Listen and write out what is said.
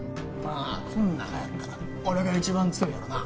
まあこの中やったら俺が一番強いやろな。